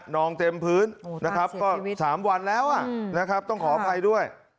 องเต็มพื้นนะครับก็๓วันแล้วนะครับต้องขออภัยด้วย